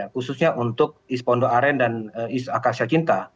khususnya untuk east pondok aren dan east akasya cinta